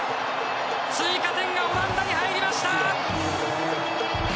追加点がオランダに入りました！